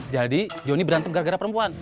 jadi johnny berantem gara gara perempuan